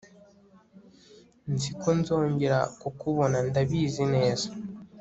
nzi ko nzongera kukubona ndabizi neza